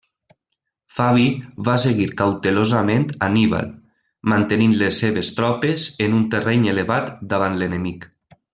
Fabi va seguir cautelosament Anníbal, mantenint les seves tropes en un terreny elevat davant l'enemic.